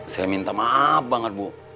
saya minta maaf banget bu